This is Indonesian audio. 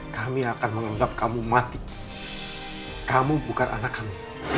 kami akan menganggap kamu mati kamu bukan anak kami